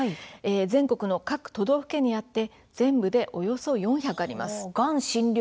全国の各都道府県にあって全部でおよそ４００あります。